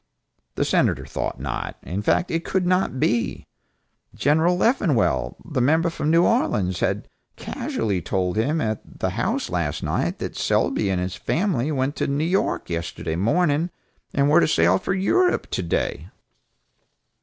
The Senator thought not. In fact it could not be. Gen. Leffenwell, the member from New Orleans, had casually told him at the house last night that Selby and his family went to New York yesterday morning and were to sail for Europe to day.